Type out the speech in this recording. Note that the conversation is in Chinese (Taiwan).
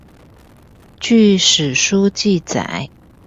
據史書記載